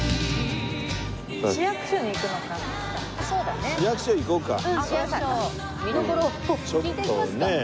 そうだね。